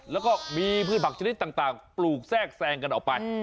แล้วก็มีพืชผักชนิดต่างปลูกแทรกแซงกันออกไป